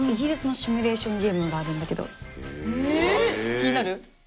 気になる？